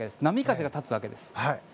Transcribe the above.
波風が立つわけです。